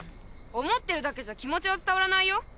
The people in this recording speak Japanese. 思ってるだけじゃ気持ちは伝わらないよ。